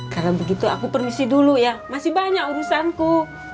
karena begitu aku permisi dulu ya masih banyak urusanku